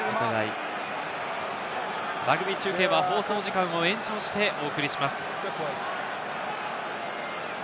ラグビー中継は放送時間を延長してお送りします。